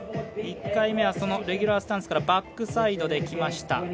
１回目はレギュラースタンスからバックサイドできました。